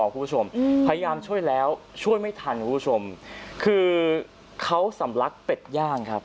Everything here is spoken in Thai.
คุณผู้ชมพยายามช่วยแล้วช่วยไม่ทันคุณผู้ชมคือเขาสำลักเป็ดย่างครับ